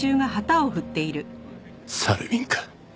サルウィンか。